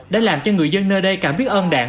đã làm cho người dân nơi đây cảm biết ơn đạn